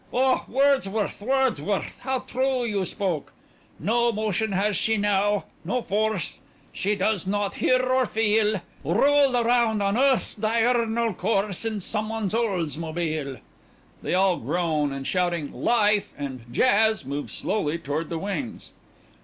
_) Oh, Wordsworth, Wordsworth, how true you spoke! "_No motion has she now, no force; She does not hear or feel; Roll'd round on earth's diurnal course In some one's Oldsmobile._" (_They all groan and shouting "Life" and "Jazz" move slowly toward the wings.